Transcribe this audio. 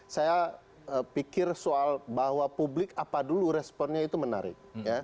saya pikir soal bahwa publik apa dulu responnya itu menarik